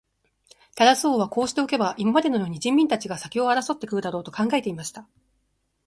タラス王はこうしておけば、今までのように人民たちが先を争って来るだろう、と考えていました。